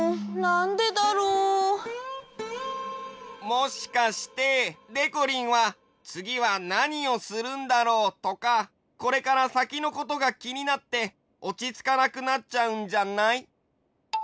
もしかしてでこりんはつぎはなにをするんだろうとかこれからさきのことがきになっておちつかなくなっちゃうんじゃない？